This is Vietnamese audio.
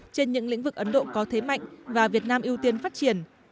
trên những lĩnh vực ấn độ có thế mạnh và việt nam ưu tiên phát triển